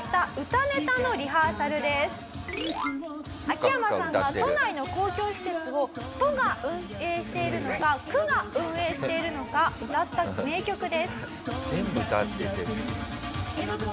「秋山さんが都内の公共施設を都が運営しているのか区が運営しているのか歌った名曲です」